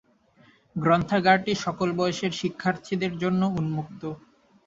গ্রন্থাগারটি সকল বয়সের শিক্ষার্থীদের জন্য উন্মুক্ত।